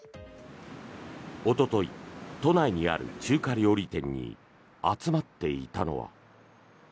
おととい都内にある中華料理店に集まっていたのは。